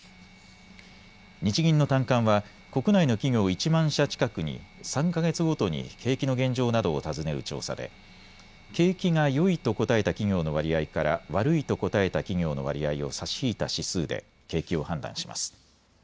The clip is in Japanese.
日銀の短観は国内の企業１万社近くに３か月ごとに景気の現状などを尋ねる調査で景気が良いと答えた企業の割合から悪いと答えた企業の割合を差し引いた指数で景気を判断します。